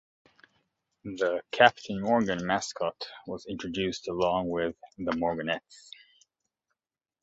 The "Captain Morgan" mascot was introduced along with "Morganettes".